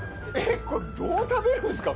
どう食べるんですか？